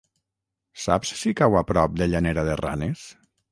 Saps si cau a prop de Llanera de Ranes?